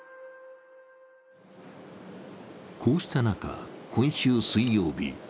こうした中、今週水曜日。